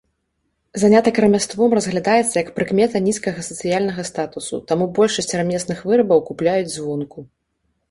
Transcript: Занятак рамяством разглядаецца як прыкмета нізкага сацыяльнага статусу, таму большасць рамесных вырабаў купляюць звонку.